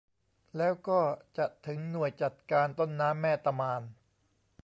แล้วก็จะถึงหน่วยจัดการต้นน้ำแม่ตะมาน